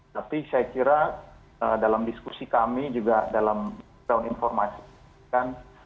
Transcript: tapi saya kira dalam diskusi kami juga dalam down informasi